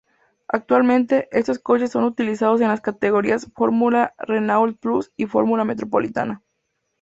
Actualmente, estos coches son utilizados en las categorías Fórmula Renault Plus y Fórmula Metropolitana.